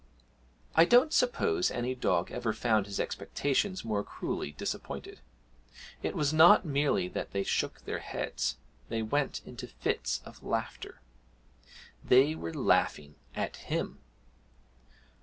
I don't suppose any dog ever found his expectations more cruelly disappointed. It was not merely that they shook their heads, they went into fits of laughter they were laughing at him!